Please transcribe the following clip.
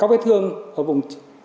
các vết thương ở vùng